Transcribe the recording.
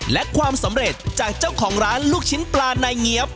และความสำเร็จจากเจ้าของร้านลูกชิ้นปลานายเงี๊ยบ